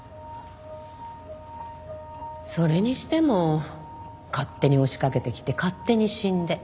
それにしても勝手に押しかけてきて勝手に死んで。